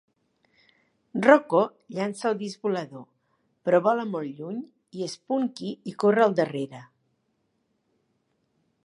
Rocko llança el disc volador, però vola molt lluny i Spunky hi corre al darrere.